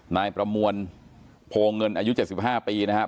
นายประมวลโพเงินอายุ๗๕ปีนะครับ